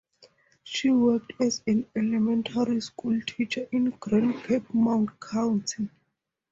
She worked as an elementary school teacher in Grand Cape Mount County.